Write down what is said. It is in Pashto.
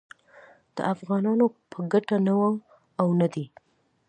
د افغانانو په ګټه نه و او نه دی